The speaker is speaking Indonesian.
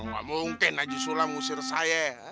gak mungkin haji sula ngusir saya